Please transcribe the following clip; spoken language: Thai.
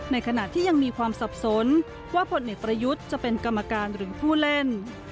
ในขณะที่ยังมีความสับสนว่าผลเอกประยุทธ์จะเป็นกรรมการหรือผู้เล่น